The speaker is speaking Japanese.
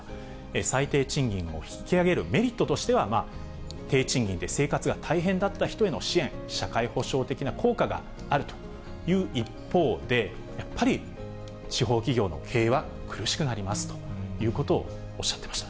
最低賃金を引き上げるメリットとしては、まあ、低賃金で生活が大変だった人への支援、社会保障的な効果があるという一方で、やっぱり地方企業の経営は苦しくなりますということをおっしゃってました。